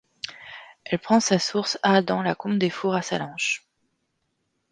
Elle prend sa source à dans la Combe des Fours à Sallanches.